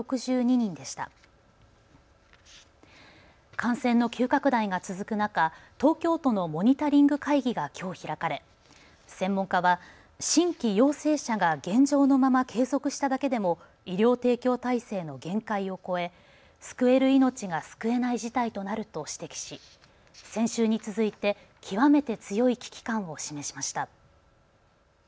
感染の急拡大が続く中、東京都のモニタリング会議がきょう開かれ専門家は新規陽性者が現状のまま継続しただけでも医療提供体制の限界を超え救える命が救えない事態となると指摘し先週に続いて極めて強い危機感を示しました。